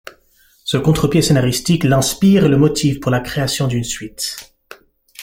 Ce contre-pied scénaristique l'inspire et le motive pour la création d'une suite.